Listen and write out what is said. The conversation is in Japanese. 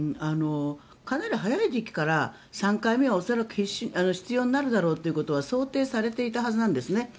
かなり早い時期から３回目は恐らく必要になるだろうということは想定されていたはずなんです。